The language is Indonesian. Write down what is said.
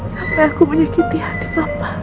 sampai aku menyik clos darem